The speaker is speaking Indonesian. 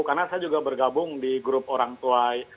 karena saya juga bergabung di grup orang tua